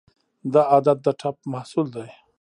دا عادت د ټپ محصول دی.